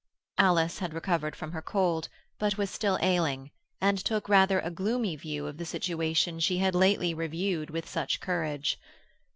Alice had recovered from her cold, but was still ailing, and took rather a gloomy view of the situation she had lately reviewed with such courage.